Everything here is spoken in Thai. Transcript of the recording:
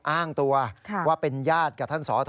อ้างตัวว่าเป็นญาติกับท่านสธ